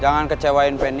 jangan kecewain penny